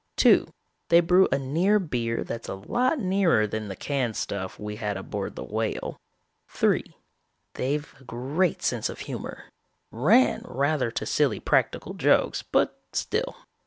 "Two, they brew a near beer that's a lot nearer than the canned stuff we had aboard the Whale. "Three, they've a great sense of humor. Ran rather to silly practical jokes, but still.